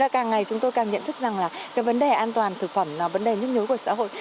càng ngày chúng tôi càng nhận thức rằng là cái vấn đề an toàn thực phẩm là vấn đề nhức nhối của xã hội